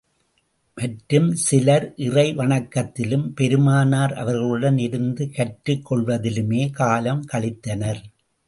மற்றும் சிலர் இறை வணக்கத்திலும், பெருமானார் அவர்களுடன் இருந்து கற்றுக் கொள்வதிலுமே காலம் கழித்தனர்.